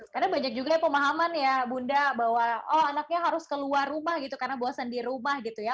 karena banyak juga pemahaman ya bunda bahwa oh anaknya harus keluar rumah gitu karena bosan di rumah gitu ya